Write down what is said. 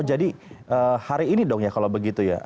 oh jadi hari ini dong ya kalau begitu ya